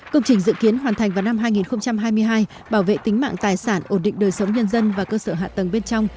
công trình dự kiến hoàn thành vào năm hai nghìn hai mươi hai bảo vệ tính mạng tài sản ổn định đời sống nhân dân và cơ sở hạ tầng bên trong